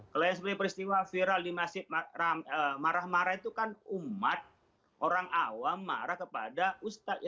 kalau yang sebenarnya peristiwa viral di masjid marah marah itu kan umat orang awam marah kepada ustadz